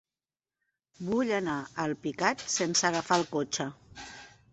Vull anar a Alpicat sense agafar el cotxe.